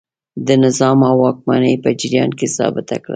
د نظام او واکمنۍ په جریان کې ثابته کړه.